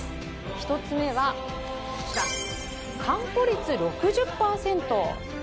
１つ目は完歩率６０％。